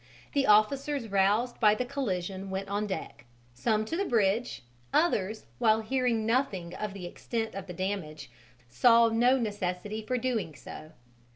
The officers roused by the collision went on deck: some to the bridge; others, while hearing nothing of the extent of the damage, saw no necessity for doing so.